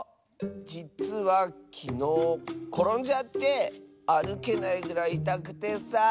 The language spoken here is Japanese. じつはきのうころんじゃってあるけないぐらいいたくてさ。